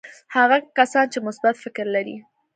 هغه کسان چې مثبت فکر لري.